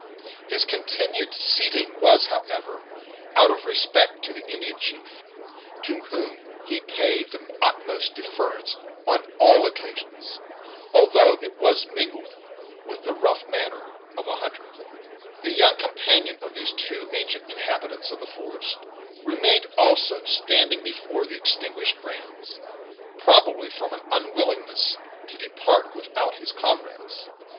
His continuing seated was, how ever, out of respect to the Indian chief to whom he paid the utmost deference on all occasions, although it was mingled with the rough manner of a hunter. The young companion of these two ancient inhabitants of the forest remained also standing before the extinguished brands, probably from an unwillingness to depart without his comrades.